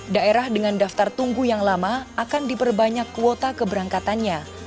daerah dengan daftar tunggu yang lama akan diperbanyak kuota keberangkatannya